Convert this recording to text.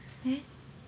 えっ？